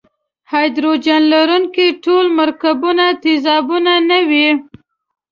هایدروجن لرونکي ټول مرکبونه تیزابونه نه وي.